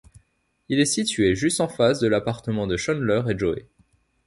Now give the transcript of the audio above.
Il est situé juste en face de l'appartement de Chandler et Joey.